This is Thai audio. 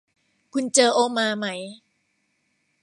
คุณเจอโอมาไหม